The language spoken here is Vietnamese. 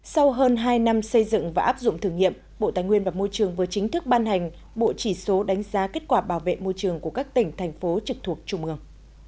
sau hơn hai năm xây dựng và áp dụng thử nghiệm bộ tài nguyên và môi trường vừa chính thức ban hành bộ chỉ số đánh giá kết quả bảo vệ môi trường của các tỉnh thành phố trực thuộc trung ương